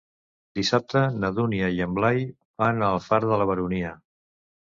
Dissabte na Dúnia i en Blai van a Alfara de la Baronia.